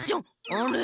あれ？